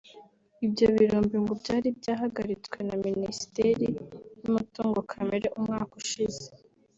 Ibyo birombe ngo byari byahagaritswe na Minisiteri y’Umutungo Kamere umwaka ushize